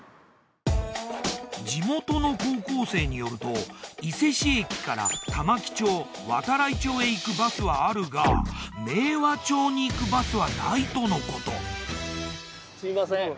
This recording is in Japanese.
地元の高校生によると伊勢市駅から玉城町度会町へ行くバスはあるが明和町に行くバスはないとのこと。